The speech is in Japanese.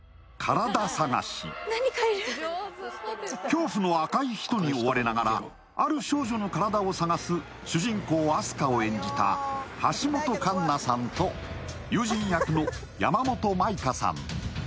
恐怖の赤い人に追われながらある少女の体を探す主人公、明日香を演じた橋本環奈さんと友人役の山本舞香さん。